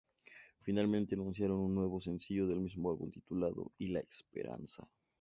Finalmente anunciaron un nuevo sencillo del mismo álbum titulado "Y La Esperanza".